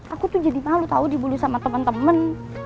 aku tuh jadi malu tau dibully sama temen temen